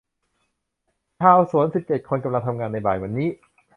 ชาวสวนสิบเจ็ดคนกำลังทำงานในบ่ายวันนี้